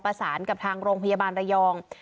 ประสานกับทางโรงพยาบาลระยอง